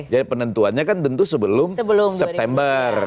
jadi penentuannya kan tentu sebelum september